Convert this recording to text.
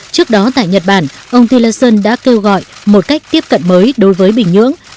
trước đó tại nhật bản ông teleson đã kêu gọi một cách tiếp cận mới đối với bình nhưỡng